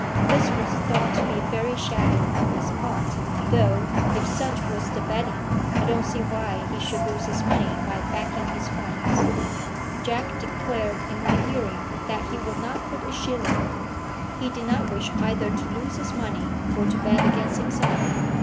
This was thought to be very shabby on his part, though if such was the betting, I don't see why he should lose his money by backing his friends. Jack declared in my hearing that he would not put a shilling on. He did not wish either to lose his money or to bet against himself.